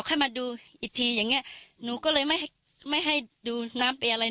ให้มาดูอีกทีอย่างเงี้ยหนูก็เลยไม่ให้ไม่ให้ดูน้ำไปอะไร